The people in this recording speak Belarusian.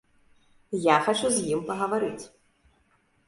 Я хачу з ім пагаварыць.